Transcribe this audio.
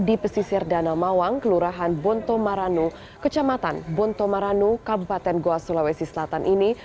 di pesisir danau mawang kelurahan bonto maranu kecamatan bonto maranu kabupaten goa sulawesi selatan ini